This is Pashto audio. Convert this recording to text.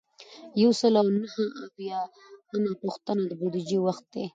یو سل او نهه اویایمه پوښتنه د بودیجې وخت دی.